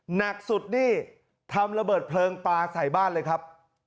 หนักสุดนี่ทำระเบิดเพลิงปลาใส่บ้านเลยครับ